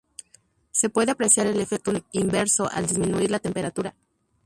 Se puede apreciar el efecto inverso al disminuir la temperatura.